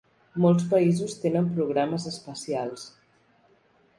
Molts països tenen programes espacials.